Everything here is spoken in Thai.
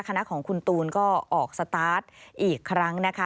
คณะของคุณตูนก็ออกสตาร์ทอีกครั้งนะคะ